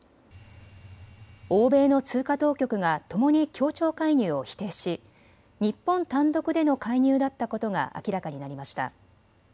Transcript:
欧米の通貨当局がともに協調介入を否定し日本単独での介入だったことが明らかになりました。